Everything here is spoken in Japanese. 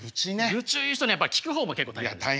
愚痴を言う人ねやっぱ聞く方も結構大変ですから。